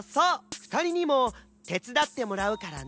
ふたりにもてつだってもらうからね！